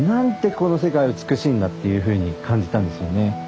この世界美しいんだっていうふうに感じたんですよね。